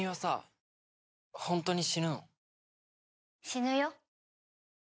死ぬよ。